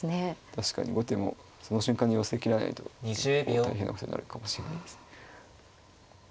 確かに後手もその瞬間に寄せきらないと結構大変なことになるかもしれないです。